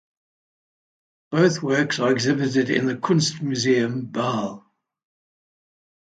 Both works are exhibited in the Kunstmuseum Basel.